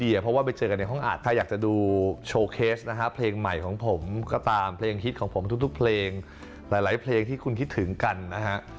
เพราะว่าไปเจอกันในห้องอัดถ้าอยากจะดูโชว์เคสนะฮะเพลงใหม่ของผมก็ตามเพลงฮิตของผมทุกเพลงหลายเพลงที่คุณคิดถึงกันนะฮะ